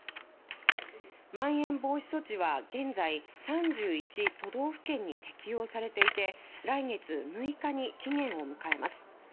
まん延防止措置は現在、３１都道府県に適用されていて来月６日に期限を迎えます。